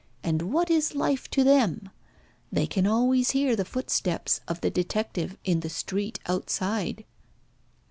And what is life to them? They can always hear the footsteps of the detective in the street outside."